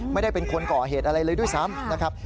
ไม่ได้เป็นคนก่อเหตุอะไรเลยด้วยซ้ำนะครับ